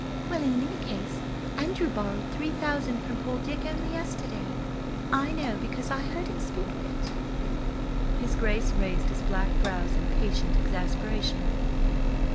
"Well, in any case, Andrew borrowed three thousand from poor Dick only yesterday. I know, because I heard him speak of it." His Grace raised his black brows in patient exasperation.